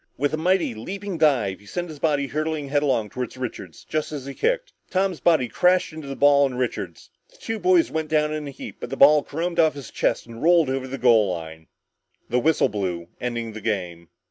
With a mighty leaping dive, he sent his body hurtling headlong toward Richards just as he kicked. Tom's body crashed into the ball and Richards. The two boys went down in a heap but the ball caromed off his chest and rolled over the goal line. The whistle blew ending the game.